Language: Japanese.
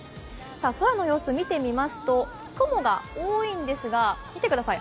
空の様子を見てみますと、雲が多いんですが、見てください。